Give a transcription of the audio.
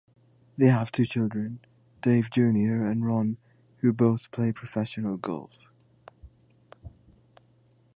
They have two children, Dave Junior and Ron, who both play professional golf.